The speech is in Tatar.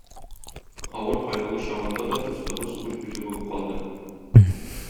Авыр кайгылы чагында да дустыбыз үз-үзе булып калды.